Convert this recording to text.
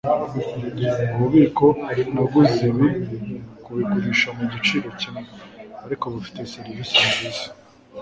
Ububiko naguze ibi kubigurisha ku giciro kimwe, ariko bufite serivisi nziza.